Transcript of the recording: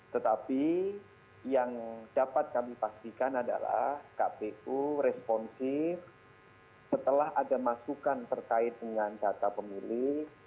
tetapi yang dapat kami pastikan adalah kpu responsif setelah ada masukan terkait dengan data pemilih